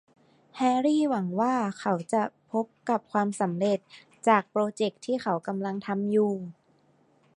แฮรรี่หวังว่าเขาจะพบกับความสำเร็จจากโปรเจคที่เขากำลังทำอยู่